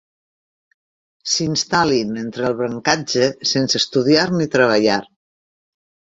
S'instal·lin entre el brancatge sense estudiar ni treballar.